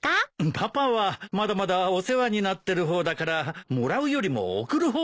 パパはまだまだお世話になってる方だからもらうよりも贈る方なんだよ。